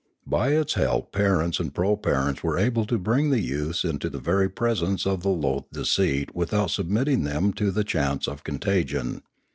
By its help parents and proparents were able to bring the youths into the very presence of the loathed deceit without submitting them to the chance of contagion.